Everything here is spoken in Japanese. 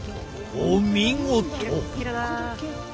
お見事。